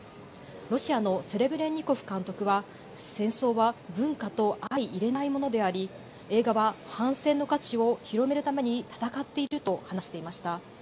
ロシアのセレブレンニコフ監督は戦争は文化と相いれないものであり映画は反戦の価値を広げるために闘っていると話していました。